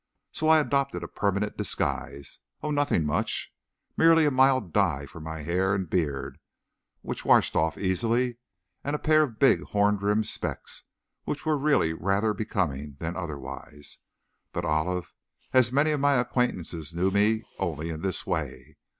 So I adopted a permanent disguise, oh, nothing much, merely a mild dye for my hair and beard, which washed off easily, and a pair of big, horn rimmed specs, which were really rather becoming than otherwise. But Olive, and many of my acquaintances knew me only in this way.